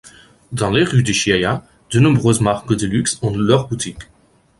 Dans les rues de Chiaia de nombreuses marques de luxe ont leurs boutiques.